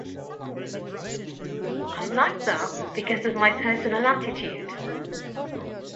I like that because of my personal attitude.